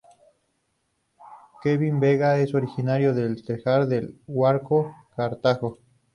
Kevin Vega es originario de El Tejar de El Guarco, Cartago.